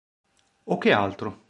O che altro?